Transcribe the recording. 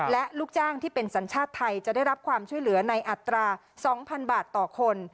และลูกจ้างที่เป็นสัญชาติไทยจะได้รับความช่วยเหลือในอัตรา๒๐๐๐บาทต่อคน